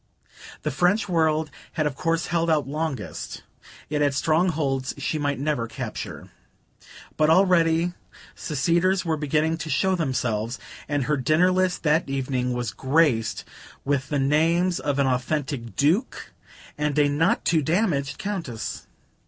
The French world had of course held out longest; it had strongholds she might never capture. But already seceders were beginning to show themselves, and her dinner list that evening was graced with the names of an authentic Duke and a not too damaged Countess.